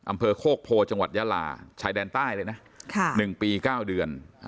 อำเภอโคกโพจังหวัดยาลาชายแดนใต้เลยนะ๑ปี๙เดือน